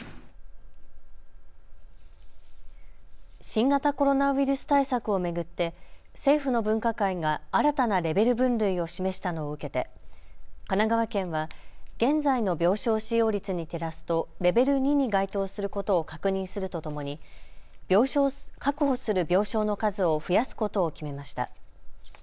新型コロナウイルス対策を巡って政府の分科会が新たなレベル分類を示したのを受けて神奈川県は現在の病床使用率に照らすとレベル２に該当することを確認するとともに確保する病床の数を増やすことを決めました。